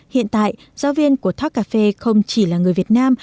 hiện tại giáo viên của thoát cà phê không chỉ là người việt nam